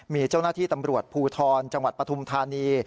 มีเจ้าหน้าที่ตำรวจภูทรจังหวัดปฐุมธานี